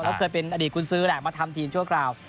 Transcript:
เขาคืออดีตคุณซื้อแหลกมาทำทีมช่วยคราว